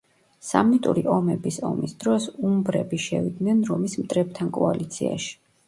სამნიტური ომების ომის დროს უმბრები შევიდნენ რომის მტრებთან კოალიციაში.